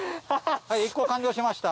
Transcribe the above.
１個完了しました。